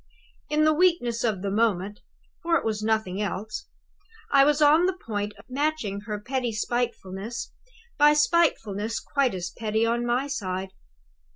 "In the weakness of the moment (for it was nothing else), I was on the point of matching her petty spitefulness by spitefulness quite as petty on my side.